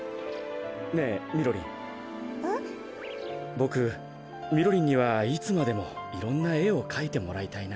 ボクみろりんにはいつまでもいろんなえをかいてもらいたいな。